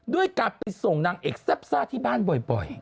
ด้วยการไปส่งนางเอกแซ่บซ่าที่บ้านบ่อย